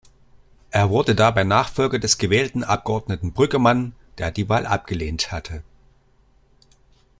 Er wurde dabei Nachfolger des gewählten Abgeordneten Brüggemann, der die Wahl abgelehnt hatte.